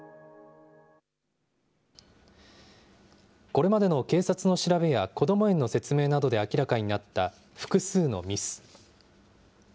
これまでの警察の調べやこども園の説明などで明らかになった、複数のミス。